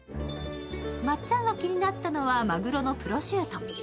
まっちゃんが気になったのは、マグロのプロシュート。